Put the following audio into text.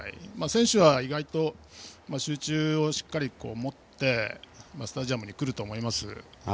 選手は、意外と集中をしっかり持ってスタジアムに来ると思います。